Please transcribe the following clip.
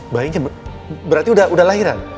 bayinya berarti udah lahiran